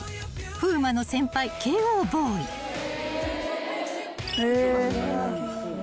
［風磨の先輩慶應ボーイ］へ。